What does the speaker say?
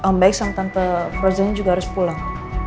om baik sama tante frozen juga harus pulang